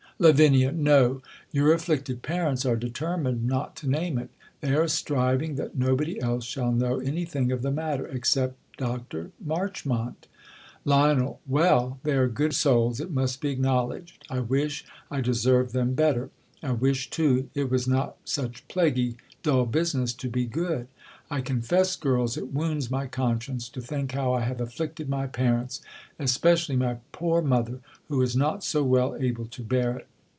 Lav. No; your afihcted jrarents are determined ROt to name it. They are striving, that nobody else shall know any thing of the matter, except Dr. March mont. Lio7i. Well, they are good souls, it must be acknowl edged. I wish I deserved them better. I wish too it was not such plaguy dull busmess to be good. 1 con fess, girls, it wounds my conscience to think how I have afflicted. my parents, especially my poor mother, who is not so well able to bear it.